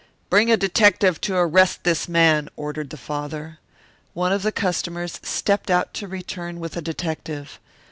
"Bring a detective to arrest this man," ordered the father. One of the customers stepped out to return with a detective.